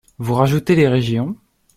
Vous rajoutez les régions.